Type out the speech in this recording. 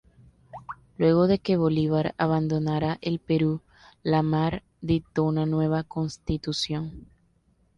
Luego de que Bolívar abandonara el Perú, La Mar dictó una nueva Constitución.